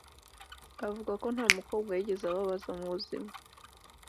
Avuga ko nta mukobwa yigeze ababaza mu buzima